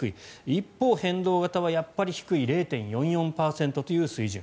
一方、変動型はやっぱり低い０．４４％という水準。